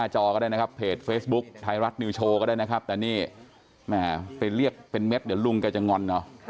หมอบนิวโชว์ก็ได้นะครับแต่นี่ไปเรียกเป็นเม็ดเดี๋ยวลุงจะนอน